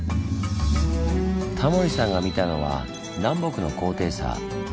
タモリさんが見たのは南北の高低差。